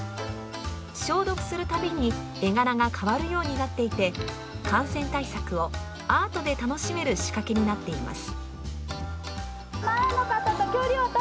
消毒するたびに絵柄が変わるようになっていて、感染対策をアートで楽しめる仕掛けになっています。